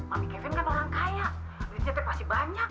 mami kevin kan orang kaya rizetnya pasti banyak